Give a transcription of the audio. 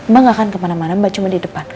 mbak gak akan kemana mana mbak cuma di depan